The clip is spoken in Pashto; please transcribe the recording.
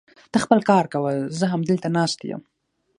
ته خپل کار کوه، زه همدلته ناست يم.